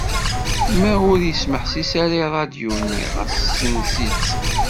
Ma ur tesmeḥsiseḍ ara i rradyu-nni, ɣas ssens-itt.